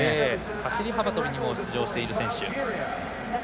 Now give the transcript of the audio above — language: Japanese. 走り幅跳びにも出場している選手。